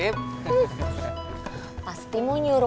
pasti mau nyuruh